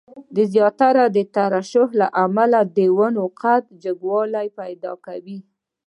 د زیاتې ترشح له امله د ونې قد جګوالی پیدا کوي.